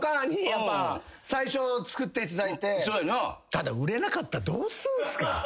ただ売れなかったらどうすんすか。